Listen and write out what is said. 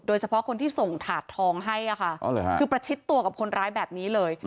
โดยเฉพาะคนที่ส่งถาดทองให้ค่ะคือประชิดตัวกับคนร้ายแบบนี้เลย